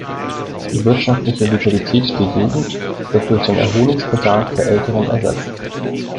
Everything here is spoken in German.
Die wirtschaftliche Vitalität der Jugend wird durch den Erholungsbedarf der Älteren ersetzt.